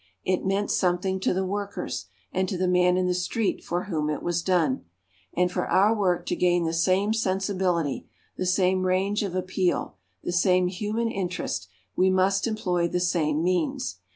It meant something to the workers, and to the man in the street for whom it was done. And for our work to gain the same sensibility, the same range of appeal, the same human interest, we must employ the same means.